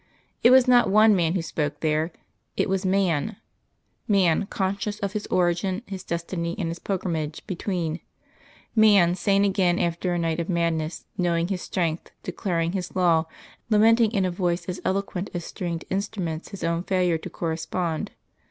It was not one man who spoke there, it was Man Man conscious of his origin, his destiny, and his pilgrimage between, Man sane again after a night of madness knowing his strength, declaring his law, lamenting in a voice as eloquent as stringed instruments his own failure to correspond.